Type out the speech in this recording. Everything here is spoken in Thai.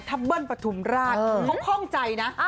ถ้าเบิ้ลประถุมราชเข้าข้องใจนะ